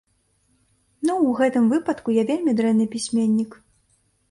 Ну, у гэтым выпадку я вельмі дрэнны пісьменнік.